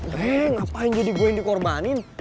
eh ngapain jadi gue yang dikorbanin